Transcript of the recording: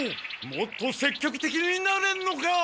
もっと積極的になれんのか！